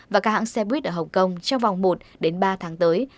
và các hãng xe buýt ở hồng kông trong vòng một đến ba tháng tới